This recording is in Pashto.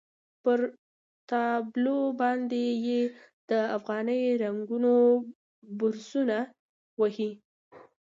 پر تابلو باندې یې د افغاني رنګونو برسونه وهي.